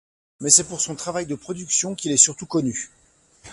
Mais c'est pour son travail de production qu'il est surtout connu.